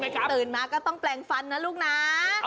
ตื่นมาก็ต้องแปลงฟันนะลูกนะ